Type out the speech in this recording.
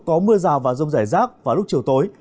có mưa rào và rông rải rác vào lúc chiều tối